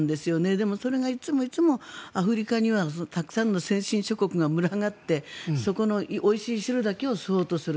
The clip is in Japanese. でもそれがいつもいつもアフリカにはたくさんの先進諸国が群がってそこのおいしい汁だけを吸おうとする。